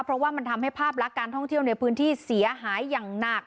เพราะว่ามันทำให้ภาพลักษณ์การท่องเที่ยวในพื้นที่เสียหายอย่างหนัก